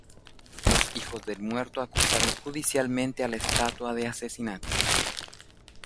Los hijos del muerto acusaron judicialmente a la estatua de asesinato.